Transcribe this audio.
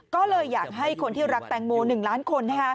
ก็เลยอยากให้คนที่รักแตงโม๑ล้านคน